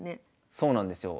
そうなんですよ。